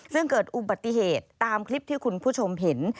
ซึ่งเกิดอุบัติเหตุตามคลิปที่คุณผู้ชมเห็น